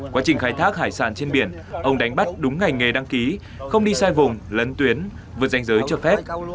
quá trình khai thác hải sản trên biển ông đánh bắt đúng ngày nghề đăng ký không đi sai vùng lấn tuyến vượt danh giới cho phép